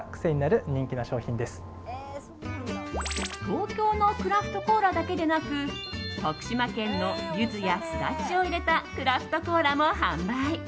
東京のクラフトコーラだけでなく徳島県のユズやスダチを入れたクラフトコーラも販売。